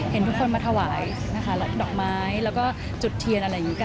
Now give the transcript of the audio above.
เห็นทุกคนมาถวายนักรับดอกไม้จุดเทียนอะไรเงี้ยค่ะ